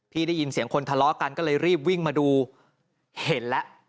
ได้ยินเสียงคนทะเลาะกันก็เลยรีบวิ่งมาดูเห็นแล้ว